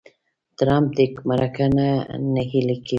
ټرمپ دې مرکه نه نهیلې کوي.